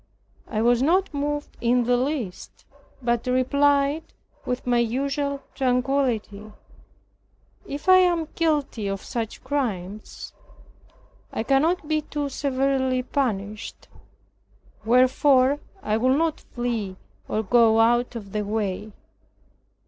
I was not moved in the least, but replied with my usual tranquillity, "If I am guilty of such crimes I cannot be too severely punished; wherefore I will not flee or go out of the way.